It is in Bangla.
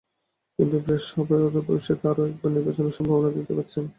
কিন্তু প্রায় সবাই অদূর ভবিষ্যতে আরও একবার নির্বাচনের সম্ভাবনা দেখতে পাচ্ছেন।